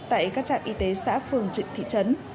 tại các trạm y tế xã phường trực thị trấn